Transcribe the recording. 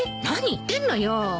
何言ってんのよ。